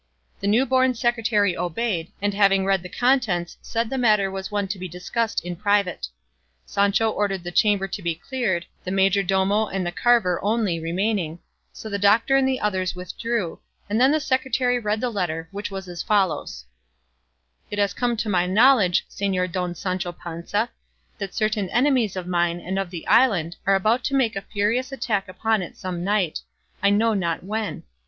The new born secretary obeyed, and having read the contents said the matter was one to be discussed in private. Sancho ordered the chamber to be cleared, the majordomo and the carver only remaining; so the doctor and the others withdrew, and then the secretary read the letter, which was as follows: It has come to my knowledge, Señor Don Sancho Panza, that certain enemies of mine and of the island are about to make a furious attack upon it some night, I know not when.